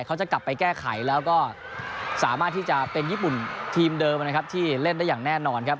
เขาจะกลับไปแก้ไขแล้วก็สามารถที่จะเป็นญี่ปุ่นทีมเดิมนะครับที่เล่นได้อย่างแน่นอนครับ